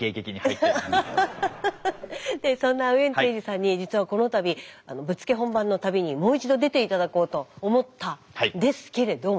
そんなウエンツ瑛士さんに実はこのたびぶっつけ本番の旅にもう一度出て頂こうと思ったんですけれども。